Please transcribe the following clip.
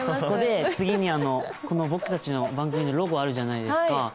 ここで次に僕たちの番組のロゴあるじゃないですか。